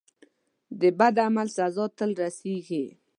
د بد عمل سزا تل رسیږي.